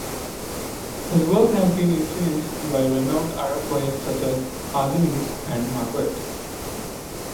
His work has been influenced by renowned Arab poets such as Adunis and Maghut.